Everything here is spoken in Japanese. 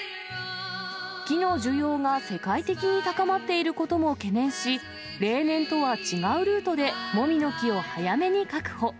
木の需要が世界的に高まっていることも懸念し、例年とは違うルートでもみの木を早めに確保。